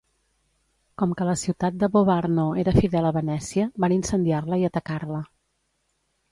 Com que la ciutat de Vobarno era fidel a Venècia, van incendiar-la i atacar-la.